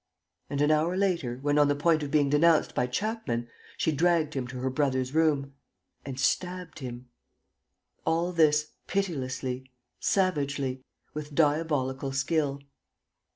And, an hour later, when on the point of being denounced by Chapman, she dragged him to her brother's room ... and stabbed him. All this pitilessly, savagely, with diabolical skill.